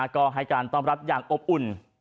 ก็ให้การต้อนรับอย่างอบอุ่น